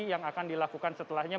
yang akan dilakukan setelahnya